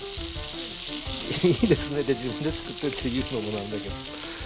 いいですねって自分でつくっといて言うのもなんだけど。